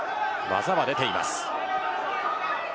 技は出ています。